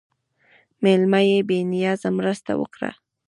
مېلمه ته بې نیازه مرسته وکړه.